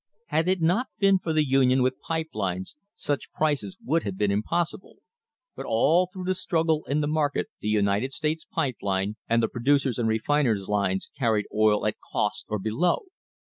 Had it not been for the union with pipe lines such prices would have been impossible, but all through the struggle in the market the United States Pipe Line and the Producers' and Refiners' lines carried oil at cost or below.